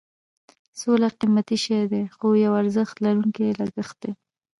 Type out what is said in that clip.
سوله قیمتي شی دی خو یو ارزښت لرونکی لګښت دی.